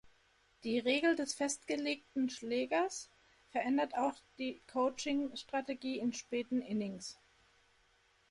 Die Regel des festgelegten Schlägers verändert auch die Coaching-Strategie in späten Innings.